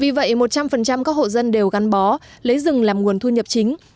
vì vậy một trăm linh các hộ dân đều gắn bó lấy rừng làm nguồn thu nhập chính